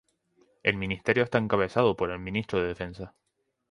El ministerio está encabezado por el Ministro de Defensa.